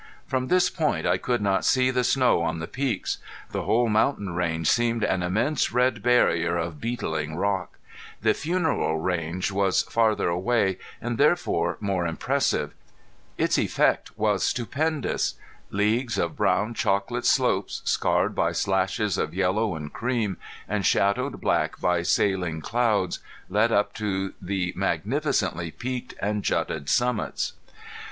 From this point I could not see the snow on the peaks. The whole mountain range seemed an immense red barrier of beetling rock. The Funeral Range was farther away and therefore more impressive. Its effect was stupendous. Leagues of brown chocolate slopes, scarred by slashes of yellow and cream, and shadowed black by sailing clouds, led up to the magnificently peaked and jutted summits.